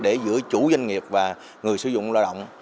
để giữa chủ doanh nghiệp và người sử dụng lao động